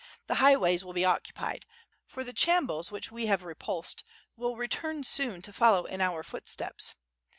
The highways will be occupied. For the chambuls which we have repulsed, wil return soon to follow in our footsteps.